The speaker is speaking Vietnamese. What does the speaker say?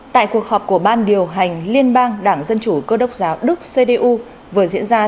tại cuộc họp của ban điều hành liên bang đảng dân chủ cơ đốc giáo đức cdu vừa diễn ra